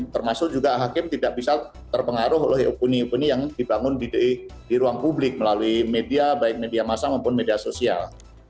termasuk juga hakim tidak bisa terpengaruh oleh opini opini yang dibangun di ruang publik melalui media baik media masa maupun media sosial